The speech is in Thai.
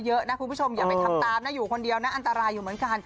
เยอะนะคุณผู้ชมอย่าไปทำตามนะอยู่คนเดียวนะอันตรายอยู่เหมือนกัน